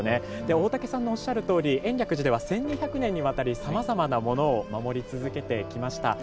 大竹さんのおっしゃるとおり延暦寺では、１２００年にわたりさまざまなものを守り続けてきました。